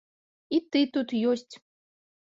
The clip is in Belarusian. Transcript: І ты тут ёсць!